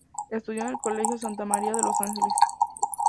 Estudió en el colegio Santa María de los Ángeles.